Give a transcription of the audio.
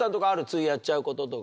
ついやっちゃうこととか。